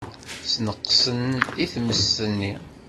Sneqsen-as i tmes-nni.